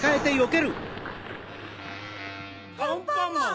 アンパンマン！